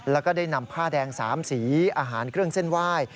แล้วก็ได้นำผ้าแดง๓สีอาหารเครื่องเส้นไหว้